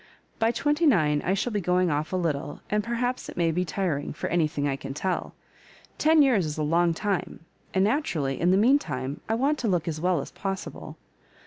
By twenty nine I shall be going off a little, and perhaps it may be tiring, for any thing I can telL Ten years is a long time, and naturally, in the meantime, I want to look as well as possible.